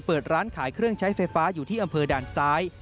เปิดร้านขายเครื่องใช้ไฟฟ้าอยู่ที่อำเภอด่านซ้าย